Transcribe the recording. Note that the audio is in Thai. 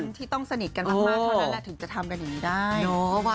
นางสนิทกันขอโทษนะคุณผู้ชม